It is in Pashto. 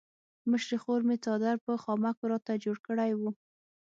مشرې خور مې څادر په خامکو راته جوړ کړی وو.